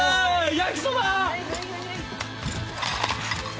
焼きそば！